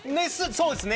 そうですね。